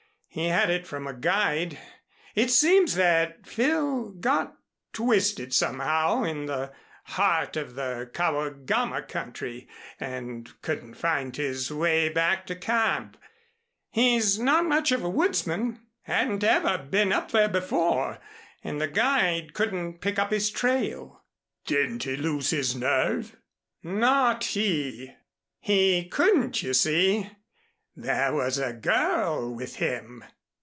He had it from a guide. It seems that Phil got twisted somehow in the heart of the Kawagama country and couldn't find his way back to camp. He's not much of a woodsman hadn't ever been up there before, and the guide couldn't pick up his trail " "Didn't he lose his nerve?" "Not he. He couldn't, you see. There was a girl with him."